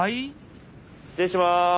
失礼します。